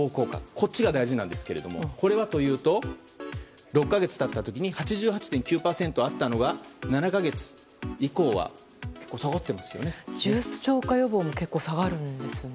こっちが大事なんですがこれはというと６か月経った時に８８．９％あったのが７か月以降は結構下がっているんですよね。